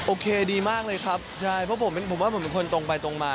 โอเคดีมากเลยครับใช่เพราะผมว่าผมเป็นคนตรงไปตรงมา